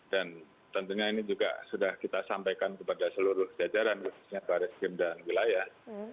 dan tentunya ini juga sudah kita sampaikan kepada seluruh jajaran khususnya barreskrim dan wilayah